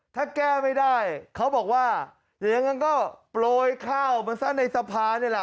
ถ้าแก้ไม่ได้เขาบอกว่าอย่างนั้นก็โปรยข้าวมันซะในสภานี่แหละ